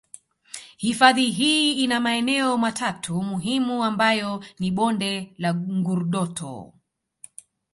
Hifadhi hii ina maeneo matatu muhimu ambayo ni bonde la Ngurdoto